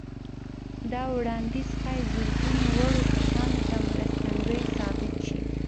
دا وړانديز ښايي زرګونه وړ کسانو ته مرستندوی ثابت شي.